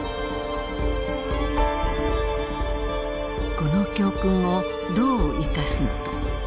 この教訓をどう生かすのか。